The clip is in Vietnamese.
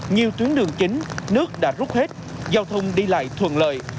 nhiều tuyến đường chính nước đã rút hết giao thông đi lại thuận lợi